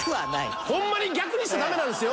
ホンマに逆にしたらダメなんですよ。